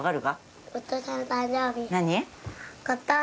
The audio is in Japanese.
何？